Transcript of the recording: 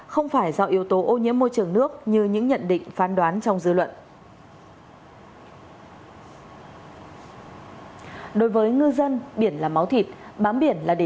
không phải do yếu tố ô nhiễm môi trường nước như những nhận định phán đoán trong dư luận